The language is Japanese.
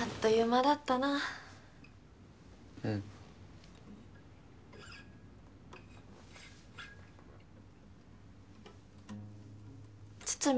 あっという間だったなうん筒見